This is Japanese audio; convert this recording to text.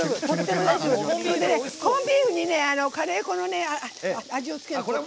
コーンビーフにカレー粉の味を付けるの。